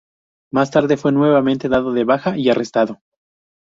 Más tarde fue nuevamente dado de baja y arrestado.